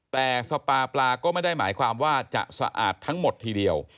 แต่สปาปลาก็ไม่ได้หมายความว่าจะสะอาดทั้งหมดทีเดียว